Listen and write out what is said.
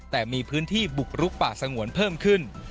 แต่มีพื้นที่บุกรุกป่าสงวนเพิ่มขึ้น